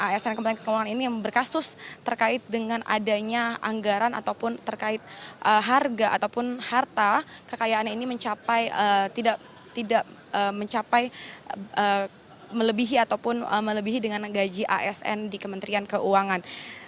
asn kementerian keuangan ini yang berkasus terkait dengan adanya anggaran ataupun terkait harga ataupun harta kekayaan ini mencapai tidak mencapai melebihi ataupun melebihi dengan gaji asn di kementerian keuangan